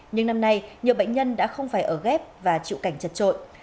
nhưng năm nay nhiều bệnh nhân đã không phải ở ghép và chịu cảnh chật trội